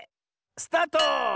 スタート！